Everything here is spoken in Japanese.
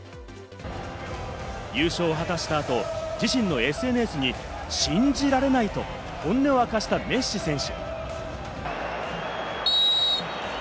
優勝を果たしたあと、自身のＳＮＳに「信じられない」と本音を明かしたメッシ選手。